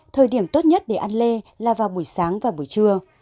thời điểm tốt nhất để ăn lê là vào buổi sáng và buổi trưa